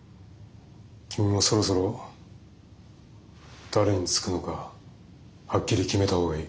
君もそろそろ誰につくのかはっきり決めた方がいい。